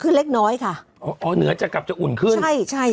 เล็กน้อยค่ะอ๋ออ๋อเหนือจะกลับจะอุ่นขึ้นใช่ใช่